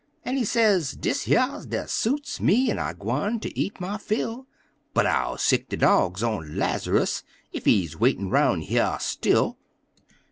En he say: "Dis heah des suits me, en I gwine ter eat my fill; But I'll sic de dogs on Laz'rus, ef he waitin' roun' heah still."